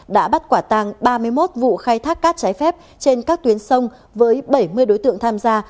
đã bắt quả tàng ba mươi một vụ khai thác cát trái phép trên các tuyến sông với bảy mươi đối tượng tham gia